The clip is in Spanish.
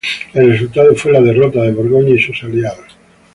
El resultado fue la derrota de Borgoña y sus aliados.